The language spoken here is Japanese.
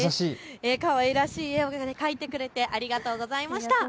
かわいらしい絵を描いてくれてありがとうございました。